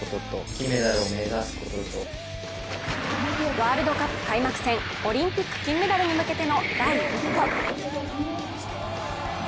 ワールドカップ開幕戦、オリンピック金メダルに向けての第一歩。